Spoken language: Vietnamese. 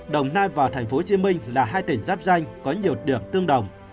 đồng nai và tp hcm là hai tỉnh giáp danh có nhiều điểm tương đồng